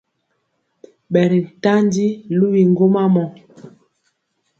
Ɓɛri ntandi luwi ŋgwoma mɔ.